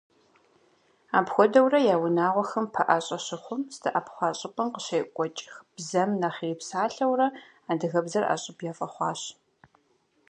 Апхуэдэурэ я унагъуэхэм пэӀэщӀэ щыхъум, здэӀэпхъуа щӀыпӀэм къыщекӀуэкӀ бзэм нэхъ ирипсалъэурэ, адыгэбзэр ӀэщӀыб яфӀэхъуащ.